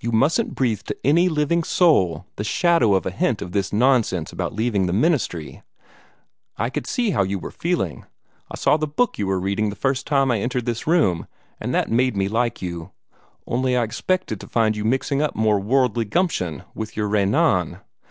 "You mustn't breathe to any living soul the shadow of a hint of this nonsense about leaving the ministry. I could see how you were feeling I saw the book you were reading the first time I entered this room and that made me like you; only I expected to find you mixing up more worldly gumption with your Renan.